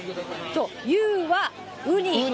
Ｕはウニ。